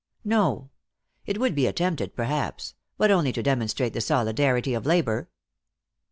No. It would be attempted, perhaps, but only to demonstrate the solidarity of labor.